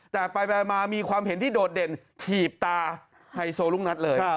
แต่ไปมามีความเห็นที่โดดเด่นถีบตาไฮโซลูกนัดเลย